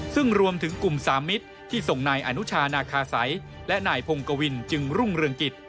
ซึ่งรวมถึงกลุ่มสามมิตรที่ส่งนายอนุชานาคาสัยและนายพงกวินจึงรุ่งเรืองกิจ